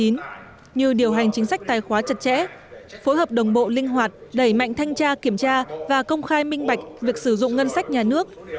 như điều hành chính sách tài khóa chặt chẽ phối hợp đồng bộ linh hoạt đẩy mạnh thanh tra kiểm tra và công khai minh bạch việc sử dụng ngân sách nhà nước